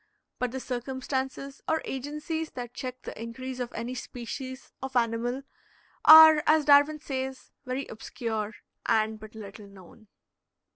But the circumstances or agencies that check the increase of any species of animal are, as Darwin says, very obscure and but little known.